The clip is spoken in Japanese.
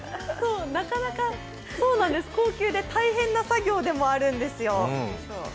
なかなか高級で大変な作業でもあるんですよ。